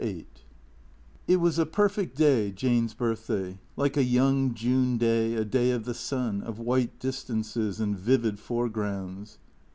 VIII IT was a perfect day, Jane's birthday, like a young June day, a day of the sun, of white distances and vivid foregrounds.